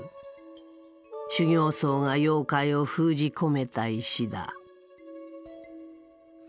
修行僧が妖怪を封じ込めた石だ。